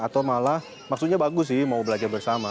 atau malah maksudnya bagus sih mau belajar bersama